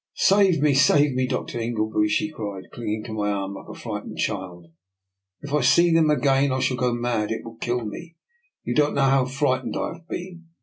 " Save me, save me. Dr. Ingleby," she 196 DR. NIKOLA'S EXPERIMENT. cried, clinging to my arm like a frightened child. " If I see them again, I shall go mad. It will kill me. You don't know how fright ened I have been."